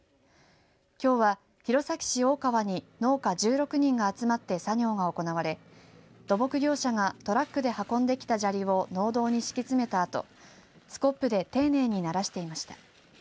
きょうは弘前市大川に農家１６人が集まって作業が行われ土木業者がトラックで運んできた砂利を農道に敷き詰めたあとスコップで丁寧にならしていました。